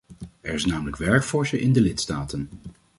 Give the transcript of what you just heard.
Er is namelijk werk voor ze in de lidstaten.